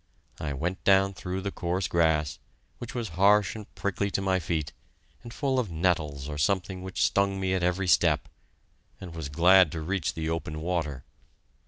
I went down through the coarse grass, which was harsh and prickly to my feet, and full of nettles or something which stung me at every step, and was glad to reach the open water.